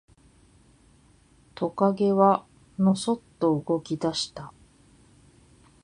トカゲはのそっと動き出した。